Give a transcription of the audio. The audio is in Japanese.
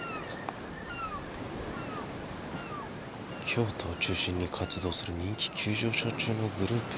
京都を中心に活動する人気急上昇中のグループ？